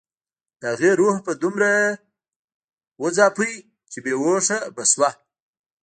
د هغې روح به دومره وځاپه چې بې هوښه به شوه